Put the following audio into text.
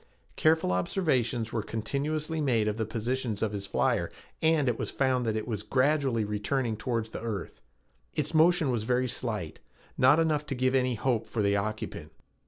Careful observations were continuously made of the position of his flyer and it was found that it was gradually returning toward the earth. Its motion was very slight, not enough to give any hope for the occupant.